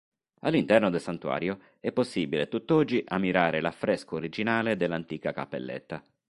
All'interno del santuario è possibile tutt'oggi ammirare l’affresco originale dell'antica cappelletta.